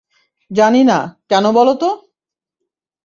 জানি না, কেন বলত?